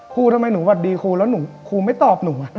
ทำไมหนูหวัดดีครูแล้วครูไม่ตอบหนู